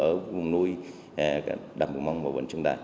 ở vùng nuôi đầm vùng mông và vùng sương đa